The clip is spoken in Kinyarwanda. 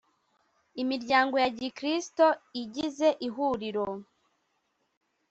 imiryango ya gikirisito igize ihuriro